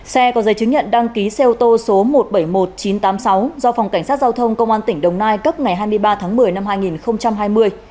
xe có giấy chứng nhận đăng ký xe ô tô số một trăm bảy mươi một nghìn chín trăm tám mươi sáu do phòng cảnh sát giao thông công an tỉnh đồng nai cấp ngày hai mươi ba tháng một mươi năm hai nghìn hai mươi